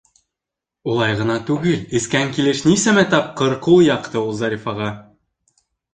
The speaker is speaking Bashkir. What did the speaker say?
Улай ғына түгел: эскән килеш нисәмә тапҡыр ҡул яҡты ул Зарифаға.